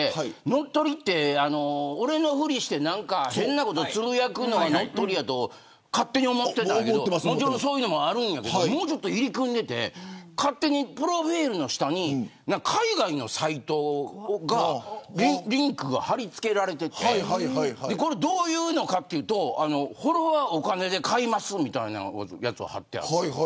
乗っ取りって俺のふりして変なことつぶやくのが乗っ取りやと勝手に思ってたんやけどもちろんそういうのもあるんだけどもう少し入り組んでて勝手にプロフィルの下に海外のサイトのリンクが貼り付けられててどういうのかというとフォロワーをお金で買いますみたいなやつを貼ってる。